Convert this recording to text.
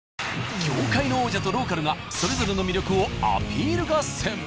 業界の王者とローカルがそれぞれの魅力をアピール合戦。